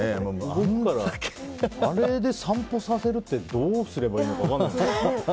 あれで散歩させるってどうすればいいか分からない。